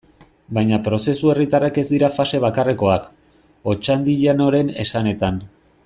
Baina prozesu herritarrak ez dira fase bakarrekoak, Otxandianoren esanetan.